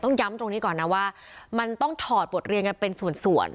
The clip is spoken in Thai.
ย้ำตรงนี้ก่อนนะว่ามันต้องถอดบทเรียนกันเป็นส่วน